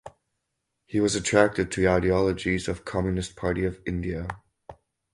He was attracted to ideologies of Communist Party of India.